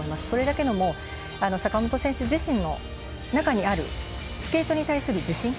それだけの坂本選手自身の中にあるスケートに対する自信。